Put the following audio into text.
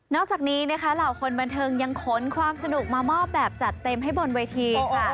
จากนี้นะคะเหล่าคนบันเทิงยังขนความสนุกมามอบแบบจัดเต็มให้บนเวทีค่ะ